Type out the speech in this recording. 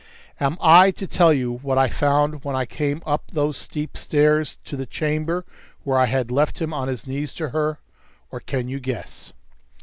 Am I to tell you what I found when I came up those steep stairs to the chamber where I had left him on his knees to her? Or can you guess?